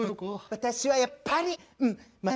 私はやっぱりパリ！